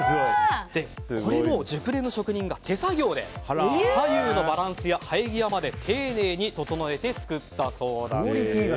これも熟練の職人が手作業で左右のバランスや生え際まで丁寧に整えて作ったそうなんです。